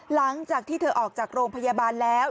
หลังจากที่เธอออกจากโรงพยาบาลแล้ว